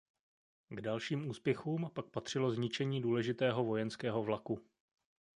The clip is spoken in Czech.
K dalším úspěchům pak patřilo zničení důležitého vojenského vlaku.